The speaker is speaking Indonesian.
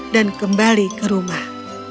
dan kembali ke rumah